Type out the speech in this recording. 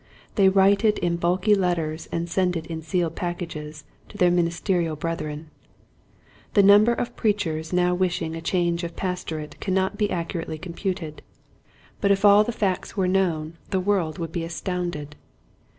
They write it in bulky letters and send it in sealed packages to their ministerial breth ren. The number of preachers now wish ing a change of pastorate cannot be accurately computed, but if all the facts Discontent 135 were known the world would be astounded.